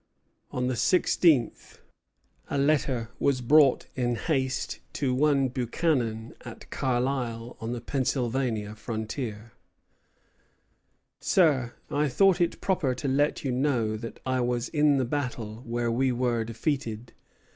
On the sixteenth a letter was brought in haste to one Buchanan at Carlisle, on the Pennsylvanian frontier: Sir, I thought it proper to let you know that I was in the battle where we were defeated.